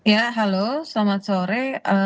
ya halo selamat sore